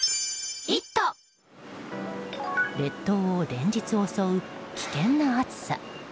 列島を連日襲う危険な暑さ。